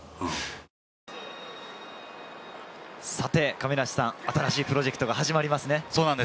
亀梨さん、新しいプロジェクトが始まりますね。